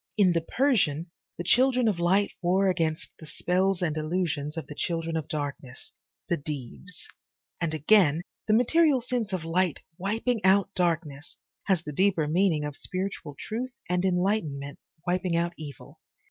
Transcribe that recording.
In the Persian, the Children of Light war against the spells and illusions of the Children of Darkness, the Deevs, and again, the material sense of light wiping out darkness, has the deeper meaning of spiritual truth and enlightenment wiping out evil.